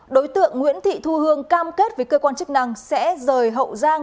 đối tượng nguyễn thị thu hương cam kết với cơ quan chức năng sẽ rời hậu giang